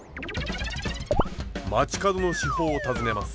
街角の至宝を訪ねます。